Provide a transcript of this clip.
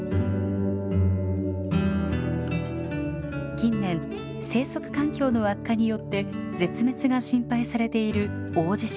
近年生息環境の悪化によって絶滅が心配されているオオジシギ。